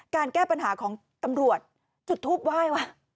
แก้ปัญหาของตำรวจจุดทูปไหว้ว่ะ